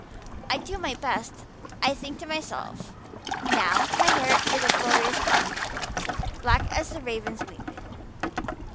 I do my best. I think to myself, 'Now my hair is a glorious black, black as the raven's wing.